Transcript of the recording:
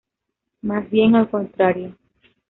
Más bien al contrario.